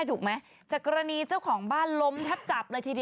ทำมีการขยับครับ